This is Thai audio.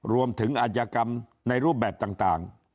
รวมถึงอาจกรรมในรูปแบบต่าง